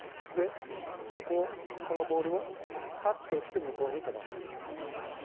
でそこをこのボールをパッと打って向こうに飛ばす。